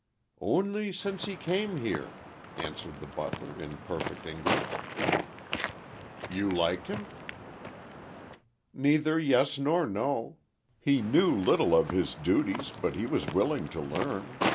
"Only since he came here," answered the butler, in perfect English. "You liked him?" "Neither yes nor no. He knew little of his duties, but he was willing to learn.